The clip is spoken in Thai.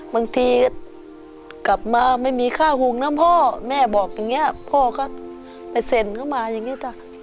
บางทีกลับมาไม่มีค่าหุงนะพ่อแม่บอกอย่างนี้พ่อก็ไปเซ็นเข้ามาอย่างนี้จ้ะ